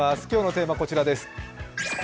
今日のテーマこちらです。